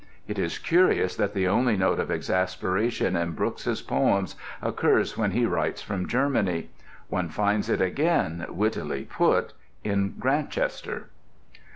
(It is curious that the only note of exasperation in Brooke's poems occurs when he writes from Germany. One finds it again, wittily put, in Grantchester.)